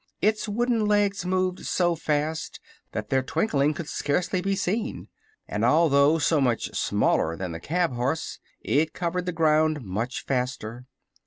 Its wooden legs moved so fast that their twinkling could scarcely be seen, and although so much smaller than the cab horse it covered the ground much faster.